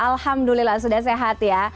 alhamdulillah sudah sehat ya